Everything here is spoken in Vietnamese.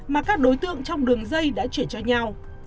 mà các đối tượng trong đường dây đã chuyển cho nhau